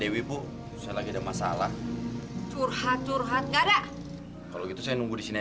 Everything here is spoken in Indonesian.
sihu itu kareninta lho yang kebohongi kesayangan kita